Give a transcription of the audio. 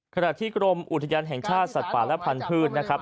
ขณะที่กรมอุทยานแห่งชาติสัตว์ป่าและพันธุ์นะครับ